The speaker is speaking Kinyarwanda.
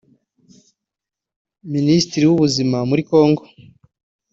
Minisitiri w’ubuzima muri Kongo